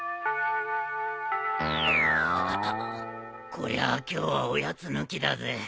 こりゃ今日はおやつ抜きだぜ。